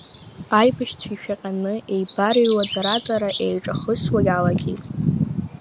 Аибашьцәа ишәаҟьаны еибарыҩуа, дара-дара еиҿахысуа иалагеит.